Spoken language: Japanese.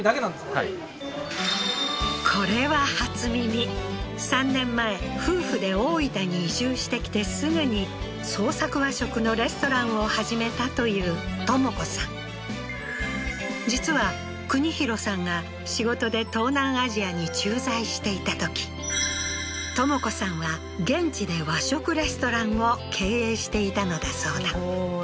はいこれは初耳３年前夫婦で大分に移住してきてすぐに創作和食のレストランを始めたという知子さん実は國大さんが仕事で東南アジアに駐在していたとき知子さんは現地で和食レストランを経営していたのだそうだ